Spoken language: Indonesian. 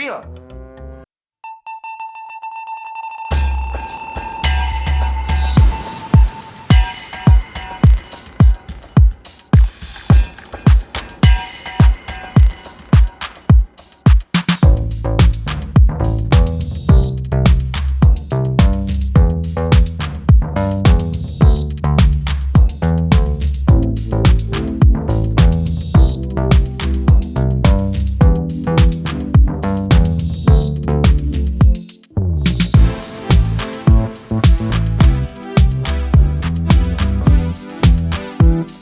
lu bawa apaan tuh